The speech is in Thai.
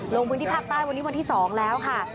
ลงพื้นที่ภาคใต้วันนี้วันที่๒แล้วค่ะ